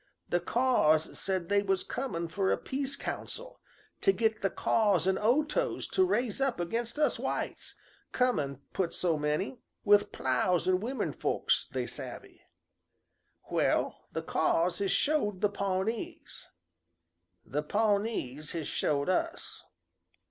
The Kaws said they was comin' fer a peace council, to git the Kaws an' Otoes to raise against us whites, comin' put so many, with plows and womernfolks they savvy. Well, the Kaws has showed the Pawnees. The Pawnees has showed us."